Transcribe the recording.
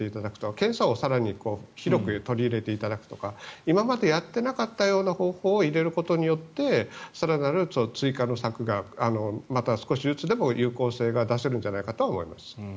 検査を更に広く取り入れていただくとか今までやっていなかったような方法を入れることによって更なる追加の策がまた少しずつでも有効性が出せるんじゃないかとは思います。